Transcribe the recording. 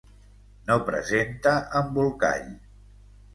No presenta embolcall.